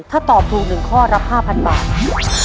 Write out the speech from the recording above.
ถ้าตอบถูก๑ข้อรับ๕๐๐บาท